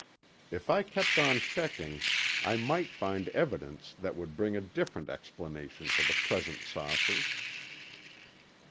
If I kept on checking I might find evidence that would bring a different explanation for the present saucers.